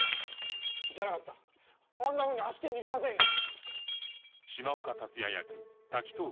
じゃなかったらあんなふうに走って逃げませんよ！